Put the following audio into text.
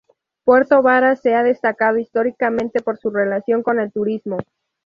Puerto Varas se ha destacado históricamente por su relación con el turismo.